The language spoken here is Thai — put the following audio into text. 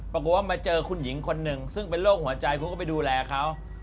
ปรากฏว่ามาเจอคุณหญิงคนหนึ่งซึ่งเป็นโรคหัวใจคุณก็ไปดูแลเขา